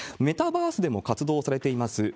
メタバースでも活動されています